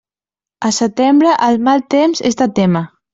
A setembre, el mal temps és de témer.